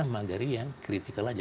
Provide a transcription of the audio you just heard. magari yang critical aja